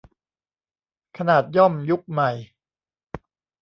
ขนาดย่อมยุคใหม่